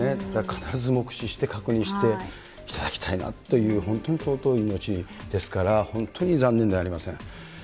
必ず目視して確認していただきたいなという、本当に尊い命ですから、本当に残念でなりません。